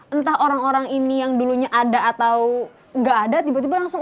entah orang orang ini yang dulunya ada atau nggak ada tiba tiba langsung